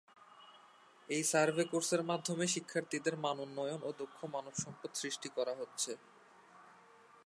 এই সার্ভে কোর্সের মাধ্যমে শিক্ষার্থীদের মানোন্নয়ন ও দক্ষ মানব সম্পদ সৃষ্টি করা হচ্ছে।